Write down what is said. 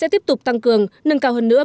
tăng cường nâng cao hơn nữa